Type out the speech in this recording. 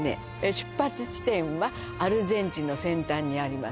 出発地点はアルゼンチンの先端にあります